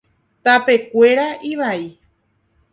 Tapekuéra ivai.